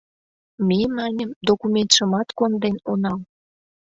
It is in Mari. — Ме, маньым, документшымат конден онал.